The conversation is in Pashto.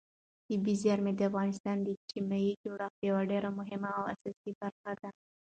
طبیعي زیرمې د افغانستان د اجتماعي جوړښت یوه ډېره مهمه او اساسي برخه ده.